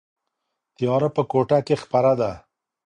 تیاره په کوټه کې خپره ده.